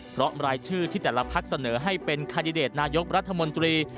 เพราะรายชื่อที่แต่ละพักเสนอให้เป็นคาดิเดตนายกรัฐมนตรี